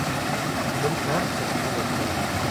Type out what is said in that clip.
بلکې هر څه خپله کوي.